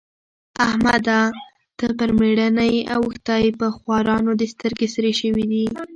احمده! ته پر مېړه نه يې اوښتی؛ پر خوارانو دې سترګې سرې شوې دي.